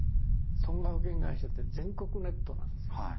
損害保険会社って全国ネットなんですよ。